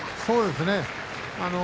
そうですね。